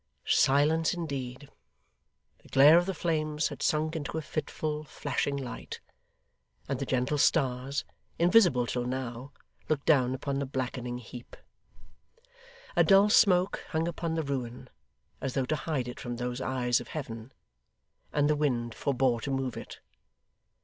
Silence indeed! The glare of the flames had sunk into a fitful, flashing light; and the gentle stars, invisible till now, looked down upon the blackening heap. A dull smoke hung upon the ruin, as though to hide it from those eyes of Heaven; and the wind forbore to move it.